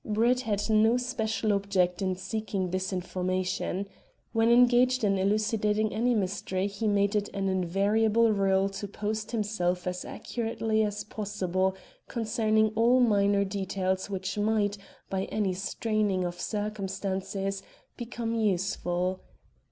Brett had no special object in seeking this information. When engaged in elucidating any mystery he made it an invariable rule to post himself as accurately as possible concerning all minor details which might, by any straining of circumstances, become useful.